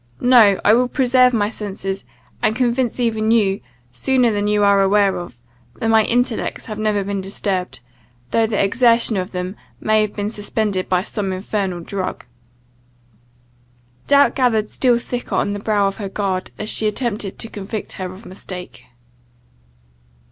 No; I will preserve my senses; and convince even you, sooner than you are aware of, that my intellects have never been disturbed, though the exertion of them may have been suspended by some infernal drug." Doubt gathered still thicker on the brow of her guard, as she attempted to convict her of mistake.